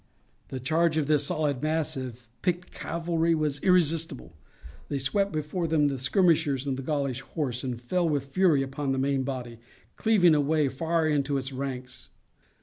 The charge of this solid mass of picked cavalry was irresistible. They swept before them the skirmishers and Gaulish horse, and fell with fury upon the main body, cleaving a way far into its ranks.